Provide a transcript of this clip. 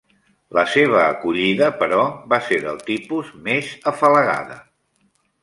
La seva acollida, però, va ser del tipus més afalagada.